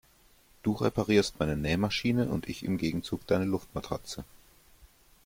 Du reparierst meine Nähmaschine und ich im Gegenzug deine Luftmatratze.